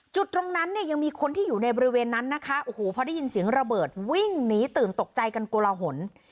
จุดตรงนั้นเนี่ยยังมีคนที่อยู่ในบริเวณนั้นนะคะโอ้โหพอได้ยินเสียงระเบิดวิ่งหนีตื่นตกใจกันโกลหน